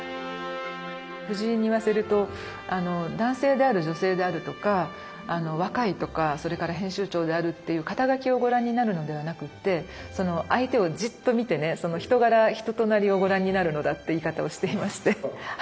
男性である女性であるとか若いとかそれから編集長であるっていう肩書をご覧になるのではなくって相手をじっと見てねその人柄人となりをご覧になるのだって言い方をしていましてはい。